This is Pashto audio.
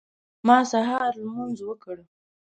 ما سهار لمونځ وکړ.